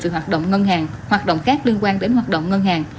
từ hoạt động ngân hàng hoạt động khác liên quan đến hoạt động ngân hàng